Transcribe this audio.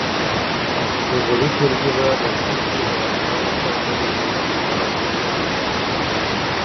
حضوري ټولګي به د زده کړې دوامداره چاپيريال په دوامداره توګه برابر کړي.